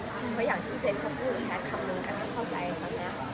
เพราะอย่างที่เจนเค้าพูดนะครับคำนึงกันให้เข้าใจสักนัด